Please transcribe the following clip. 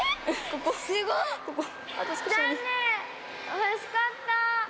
おしかった。